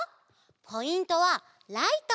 ポイントはライト！